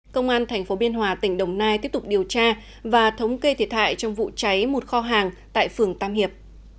công an tp biên hòa tỉnh đồng nai tiếp tục điều tra và thống kê thiệt hại trong vụ cháy một kho hàng tại phường tam hiệp